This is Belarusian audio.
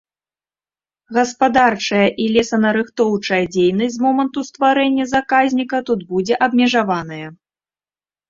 Гаспадарчая і лесанарыхтоўчая дзейнасць з моманту стварэння заказніка тут будзе абмежаваная.